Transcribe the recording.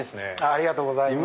ありがとうございます。